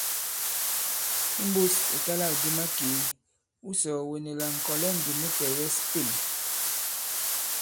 Imbūs ìtalâkdi makèe , wu sɔ̀ɔ̀wene la ŋ̀kɔ̀lɛ ndī mu tɛ̀gɛs Pên.